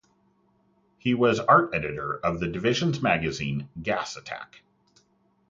He was art editor of the Division's magazine, "Gas Attack".